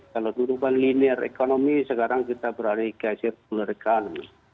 kalau dudukkan linear economy sekarang kita berhari ke circular economy